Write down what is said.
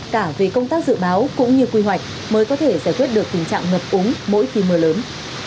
cả về công tác dự báo cũng như quy hoạch mới có thể giải quyết được tình trạng ngập úng mỗi khi mưa lớn